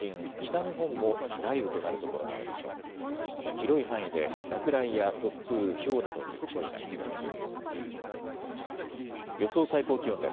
広い範囲で落雷や突風、ひょうなどに注意が必要です。